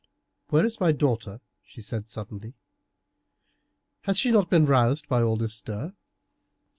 "Where is my daughter?" she said suddenly; "has she not been roused by all this stir?"